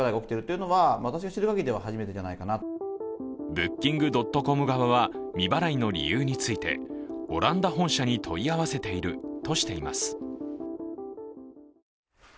ブッキングドットコム側は未払いの理由についてオランダ本社に問い合わせているとしています